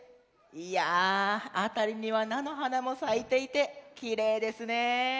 いやあたりにはなのはなもさいていてきれいですね。